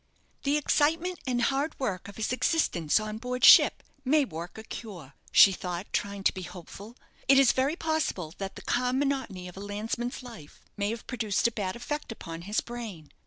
"The excitement and hard work of his existence on board ship may work a cure," she thought, trying to be hopeful. "It is very possible that the calm monotony of a landsman's life may have produced a bad effect upon his brain.